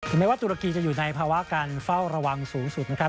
แม้ว่าตุรกีจะอยู่ในภาวะการเฝ้าระวังสูงสุดนะครับ